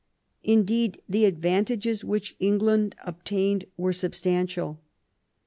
Indeed, the advantages which England obtained were substantial.